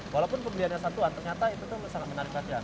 walaupun pembeliannya satuan ternyata itu sangat menarik saja